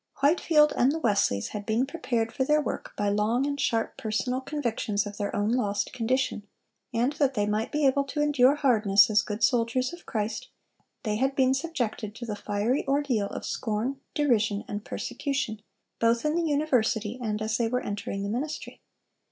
Whitefield and the Wesleys had been prepared for their work by long and sharp personal convictions of their own lost condition; and that they might be able to endure hardness as good soldiers of Christ, they had been subjected to the fiery ordeal of scorn, derision, and persecution, both in the university and as they were entering the ministry.